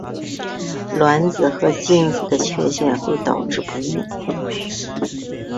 卵子或精子的缺陷会导致不育。